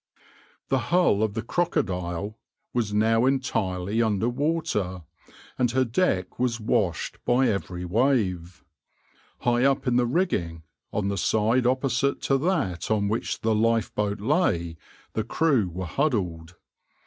\par The hull of the {\itshape{Crocodile}} was now entirely under water, and her deck was washed by every wave. High up in the rigging, on the side opposite to that on which the lifeboat lay, the crew were huddled.